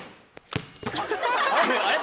あれ？